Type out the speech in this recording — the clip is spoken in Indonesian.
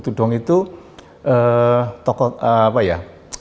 tudong itu tokoh apa ya